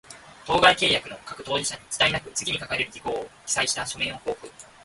当該契約の各当事者に、遅滞なく、次に掲げる事項を記載した書面を交付